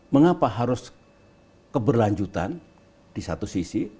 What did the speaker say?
mengapa harus keberlanjutan di satu sisi